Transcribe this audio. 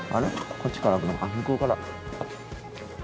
こっちから開くのか向こうから。